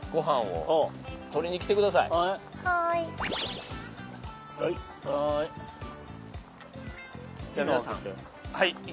はいはーい。